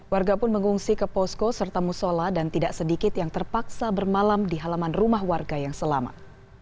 warga pun mengungsi ke posko serta musola dan tidak sedikit yang terpaksa bermalam di halaman rumah warga yang selamat